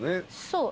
そう。